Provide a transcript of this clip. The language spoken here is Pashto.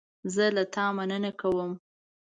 زه له تا مننه کوم.